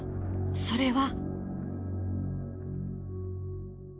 それは。